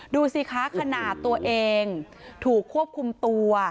ดูสิคะขนาดตัวเองถูกควบคุมตัว